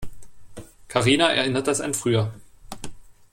Karina erinnert das an früher.